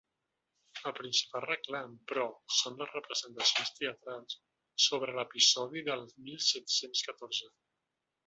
El principal reclam, però, són les representacions teatrals sobre l’episodi del mil set-cents catorze.